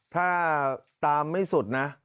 ถ้าตามไม่สุดนะ